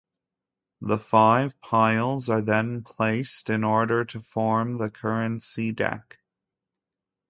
The five piles are then placed in order to form the currency deck.